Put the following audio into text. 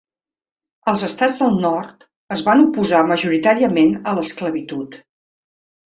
Els estats del nord es van oposar majoritàriament a l'esclavitud.